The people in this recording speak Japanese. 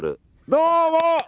どうも！